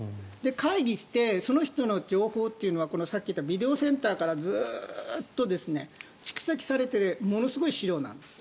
会議してその人の情報というのはさっき言ったビデオセンターからずっと蓄積されているものすごい資料なんです。